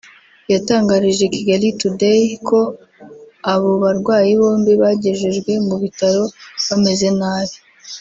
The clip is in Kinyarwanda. yatangarije Kigali Today ko abo barwayi bombi bagejejwe mu bitaro bameze nabi